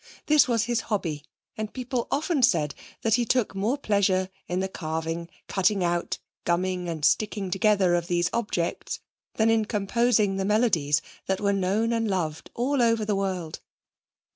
This was his hobby, and people often said that he took more pleasure in the carving, cutting out, gumming and sticking together of these objects than in composing the melodies that were known and loved all over the world.